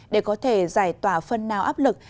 để có thể giải tỏa phân nào áp lực